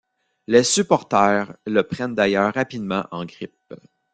Les supporters le prennent d'ailleurs rapidement en grippe.